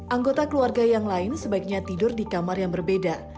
anggota keluarga yang lain sebaiknya tidur di kamar yang berbeda